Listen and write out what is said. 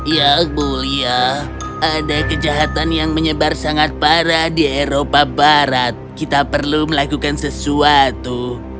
yang mulia ada kejahatan yang menyebar sangat parah di eropa barat kita perlu melakukan sesuatu